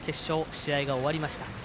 試合が終わりました。